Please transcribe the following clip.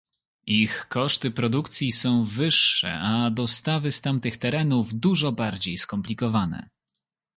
Ich koszty produkcji są wyższe a dostawy z tamtych terenów dużo bardziej skomplikowane